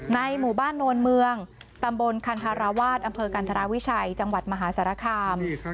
หมู่บ้านโนนเมืองตำบลคันฮาราวาสอำเภอกันธราวิชัยจังหวัดมหาสารคาม